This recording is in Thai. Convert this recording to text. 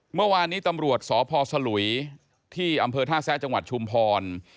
เมื่อวานนี้ตำรวจสพสลุยที่อำเภอท่าแซะจังหวัดชุมพร